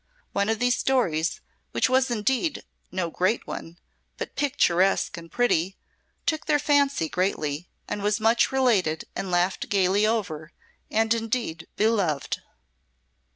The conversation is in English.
One of these stories, which was indeed no great one, but picturesque and pretty, took their fancy greatly, and was much related and laughed gaily over, and indeed beloved.